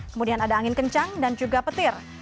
kemudian ada angin kencang dan juga petir